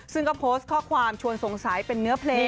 ซึ่งก็โพสต์ข้อความชวนสงสัยเป็นเนื้อเพลง